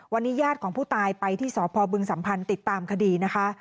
วันนี้ญาติของผู้ตายไปที่สพบึงสัมพันธ์ติดตามคดีนะคะ